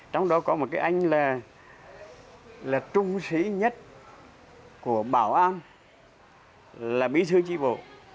trong đó có một cái anh là trung sĩ nhất của bảo an là bí thư tri bộ